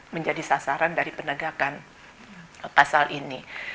menjadi sasaran dari penegakan pasal ini